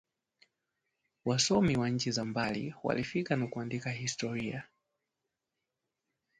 wasomi wa nchi za mbali walifika na kuandika historia